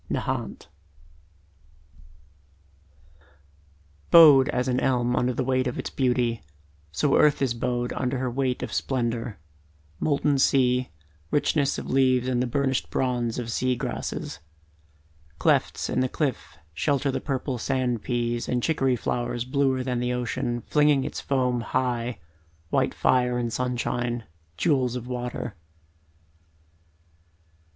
Nahant Bowed as an elm under the weight of its beauty, So earth is bowed, under her weight of splendor, Molten sea, richness of leaves and the burnished Bronze of sea grasses. Clefts in the cliff shelter the purple sand peas And chicory flowers bluer than the ocean Flinging its foam high, white fire in sunshine, Jewels of water.